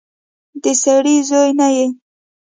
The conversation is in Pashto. د سړي زوی نه يې.